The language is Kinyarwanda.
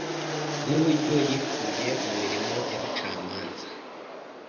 Nuburyo, yikuye mu mirimo y'abacamanza.